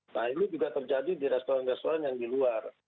nah ini juga terjadi di restoran restoran yang di luar